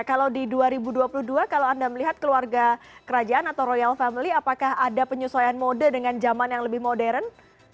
kalau di dua ribu dua puluh dua kalau anda melihat keluarga kerajaan atau royal family apakah ada penyesuaian mode dengan zaman yang lebih modern